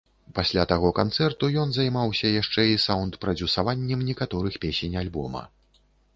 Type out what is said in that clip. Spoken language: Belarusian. Пасля таго канцэрту ён займаўся яшчэ і саўндпрадзюсаваннем некаторых песень альбома.